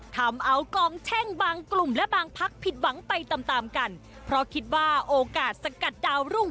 ทำเอากองแช่งบางกลุ่มและบางพักผิดหวังไปตามตามกันเพราะคิดว่าโอกาสสกัดดาวรุ่ง